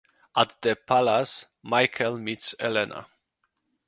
At the palace Michael meets Elena.